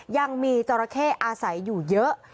ยังมีจราเข้อาศัยอยู่เยอะ